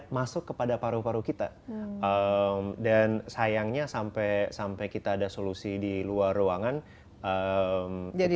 masuk kepada paru paru kita dan sayangnya sampai sampai kita ada solusi di luar ruangan jadi